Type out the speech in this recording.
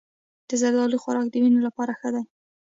د زردالو خوراک د وینې لپاره ښه دی.